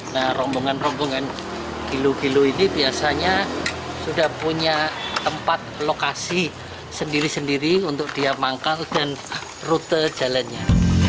nah rombongan rombongan kilo kilo ini biasanya sudah punya tempat lokasi sendiri sendiri untuk dia manggal dan rute jalannya